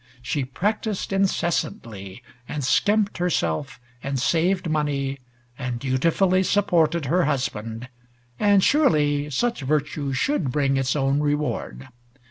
She practiced incessantly and skimped herself and saved money and dutifully supported her husband, and surely such virtue should bring its own reward.